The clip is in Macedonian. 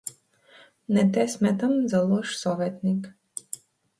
Не те сметам за лош советник.